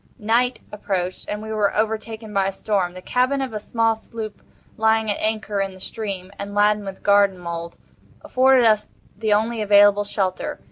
Night approached, and we were overtaken by a storm. The cabin of a small sloop lying at anchor in the stream, and laden with garden mould, afforded us the only available shelter.